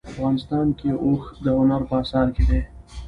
افغانستان کې اوښ د هنر په اثار کې دي.